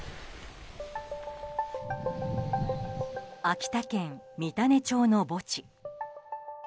秋田県三種町の墓地。